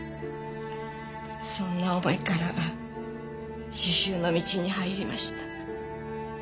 そんな思いから刺繍の道に入りました。